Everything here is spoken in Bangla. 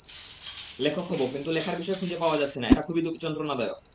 লেখক হব, কিন্তু লেখার বিষয় খুঁজে পাওয়া যাচ্ছে না—এটা খুবই যন্ত্রণাদায়ক।